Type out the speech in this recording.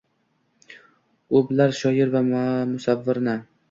U bilar: shoir va musavvirni